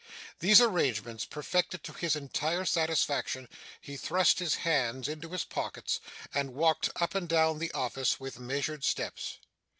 These arrangements perfected to his entire satisfaction, he thrust his hands into his pockets, and walked up and down the office with measured steps.